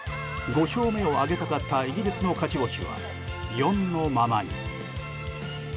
５勝目を挙げたかったイギリスの勝ち星は４のままに。